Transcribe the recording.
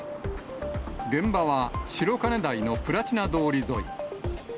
現場は白金台のプラチナ通り沿い。